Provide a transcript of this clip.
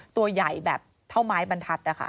ตัวใหญ่แบบเท่าไม้บรรทัด